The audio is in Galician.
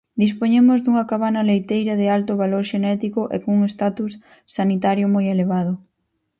Dispoñemos dunha cabana leiteira de alto valor xenético e cun status sanitario moi elevado.